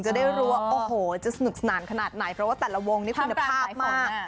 จะได้รู้ว่าโอ้โหจะสนุกสนานขนาดไหนเพราะว่าแต่ละวงนี่คุณภาพมาก